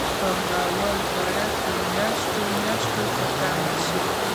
پانګوال باید په میاشتو میاشتو په تمه شي